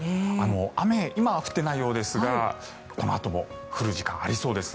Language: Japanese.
雨、今は降っていないようですがこのあとも降る時間がありそうです。